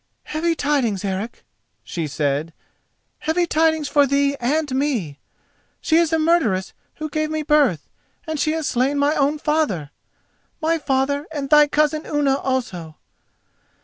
"Heavy tidings, Eric," she said, "heavy tidings for thee and me! She is a murderess who gave me birth and she has slain my own father—my father and thy cousin Unna also.